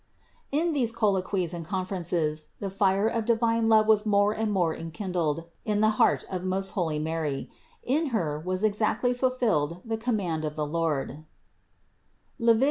246. In these colloquies and conferences the fire of di vine love was more and more enkindled in the heart of most holy Mary; in Her was exactly fulfilled the com mand of the Lord (Levit.